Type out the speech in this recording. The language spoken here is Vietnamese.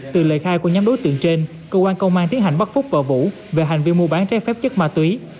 từ lời khai của nhóm đối tượng trên cơ quan công an tiến hành bắt phúc và vũ về hành vi mua bán trái phép chất ma túy